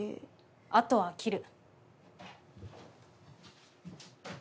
あとは切る。